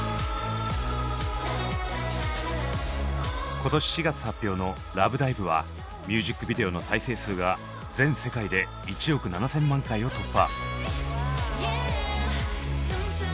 今年４月発表の「ＬＯＶＥＤＩＶＥ」はミュージックビデオの再生数が全世界で１億７，０００万回を突破。